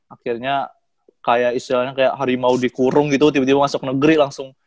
akhirnya kayak istilahnya kayak harimau dikurung gitu tiba tiba masuk negeri langsung